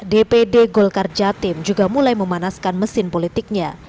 dpd golkar jatim juga mulai memanaskan mesin politiknya